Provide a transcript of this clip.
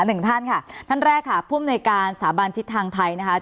หนึ่งท่านค่ะท่านแรกค่ะผู้อำนวยการสถาบันทิศทางไทยนะคะ